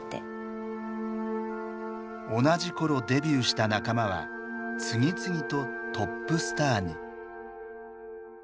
同じ頃デビューした仲間は次々とトップスターに。